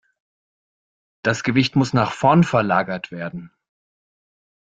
Das Gewicht muss nach vorn verlagert werden.